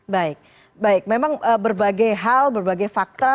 baik baik memang berbagai hal berbagai fakta